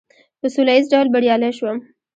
په سوله ایز ډول بریالی شوم.